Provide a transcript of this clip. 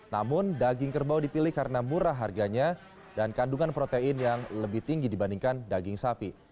namun daging kerbau dipilih karena murah harganya dan kandungan protein yang lebih tinggi dibandingkan daging sapi